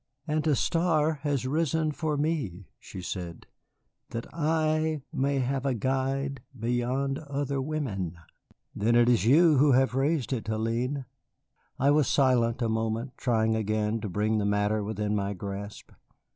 "And a star has risen for me," she said, "that I may have a guide beyond other women." "Then it is you who have raised it, Hélène." I was silent a moment, trying again to bring the matter within my grasp.